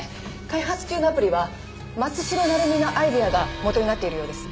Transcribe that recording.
開発中のアプリは松代成実のアイデアが基になっているようです。